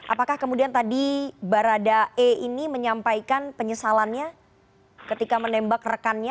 apakah kemudian tadi barada e ini menyampaikan penyesalannya ketika menembak rekannya